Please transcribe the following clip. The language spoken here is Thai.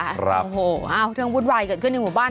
โอ้โหอ้าวเรื่องวุ่นวายเกิดขึ้นในหมู่บ้าน